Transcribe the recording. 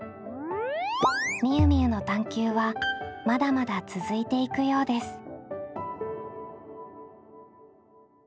みゆみゆの探究はまだまだ続いていくようです。